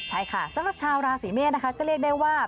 ใช่ค่ะสำหรับชาวราศีเมษนะคะก็เรียกได้ว่า